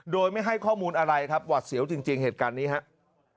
โดยไม่ให้ข้อมูลอะไรครับหวัดเสียวจริงเหตุการณ์นี้ครับ